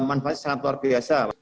manfaatnya sangat luar biasa